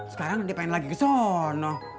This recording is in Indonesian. sekarang dia pengen lagi ke sono